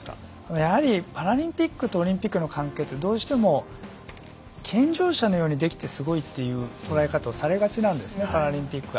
やはり、パラリンピックとオリンピックの関係はどうしても健常者のようにできてすごいという捉え方をされがちなんですねパラリンピックは。